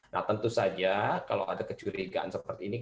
nah tentu saja kalau ada kecurigaan seperti ini kita harus mencari penyakit